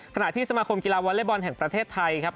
ขณะที่สมาคมกีฬาวอเล็กบอลแห่งประเทศไทยครับ